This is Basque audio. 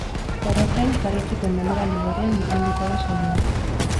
Horrez gain, perretxikoen denboraldi berrian murgilduko da saioa.